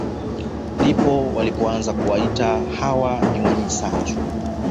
Ndipo walipoanza kuwaita hawa ni wanyisanzu